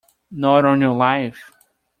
Not on your life!